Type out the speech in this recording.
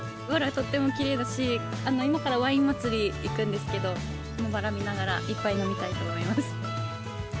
とってもきれいだし、今からワイン祭行くんですけど、バラ見ながら、いっぱい飲みたいと思います。